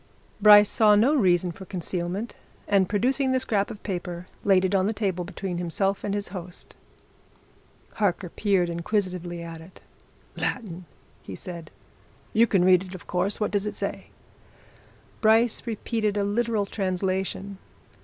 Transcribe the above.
Bryce saw no reason for concealment and producing the scrap of paper laid it on the table between himself and his host. Harker peered inquisitively at it. "Latin!" he said. "You can read it, of course. What does it say?" Bryce repeated a literal translation.